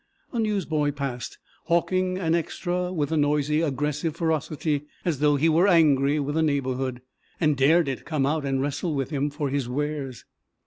A newsboy passed, hawking an extra with a noisy, aggressive ferocity as though he were angry with the neighborhood, and dared it come out and wrestle with him for his wares.